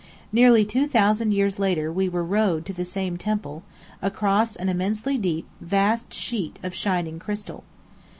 Nearly two thousand years later we were rowed to the same temple, across an immensely deep, vast sheet of shining crystal.